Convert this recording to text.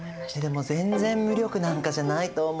全然無力なんかじゃないと思う。